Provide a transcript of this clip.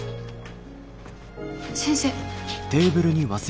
先生。